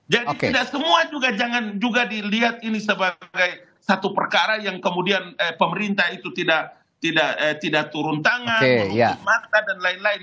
jadi tidak semua juga jangan juga dilihat ini sebagai satu perkara yang kemudian pemerintah itu tidak turun tangan turun mata dan lain lain